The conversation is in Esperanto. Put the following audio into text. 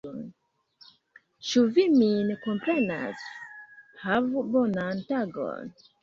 Ĉu vi min komprenas? Havu bonan tagon!